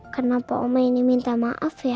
kenapa oma ini minta maaf ya